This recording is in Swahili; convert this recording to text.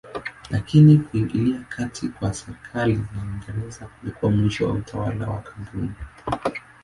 Lakini kuingilia kati kwa serikali ya Uingereza kulikuwa mwisho wa utawala wa kampuni.